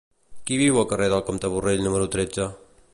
Qui viu al carrer del Comte Borrell número tretze?